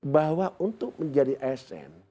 bahwa untuk menjadi asn